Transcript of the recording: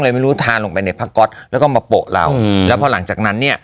ไม่รู้ทาลงไปในผ้าก๊อตแล้วก็มาโปะเราอืมแล้วพอหลังจากนั้นเนี่ย